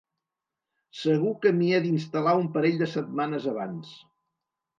Segur que m'hi he d'instal·lar un parell de setmanes abans.